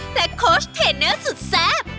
และโค้ชเทนเนอร์สุดแซ่บ